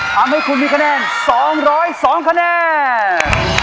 ทำให้คุณมีคะแนน๒๐๒คะแนน